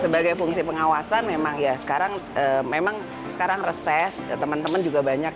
sebagai fungsi pengawasan memang ya sekarang memang sekarang reses teman teman juga banyak